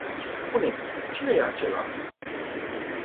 Spune-mi, cine e acela?